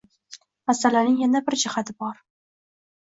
Masalaning yana bir jihati bor.